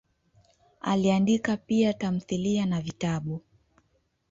Aliandika pia tamthilia na vitabu.